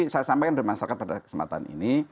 saya sampaikan dari masyarakat pada kesempatan ini